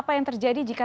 pasangnya itu ya